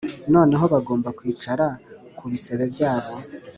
noneho bagomba kwicara ku bisebe byabo. ”